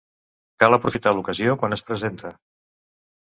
Cal aprofitar l'ocasió quan es presenta.